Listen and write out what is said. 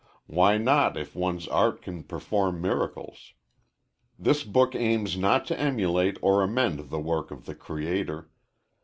Why not, if one's art can perform miracles? This book aims not to emulate or amend the work of the Creator.